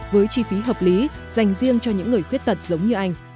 với chi phí hợp lý dành riêng cho những người khuyết tật giống như anh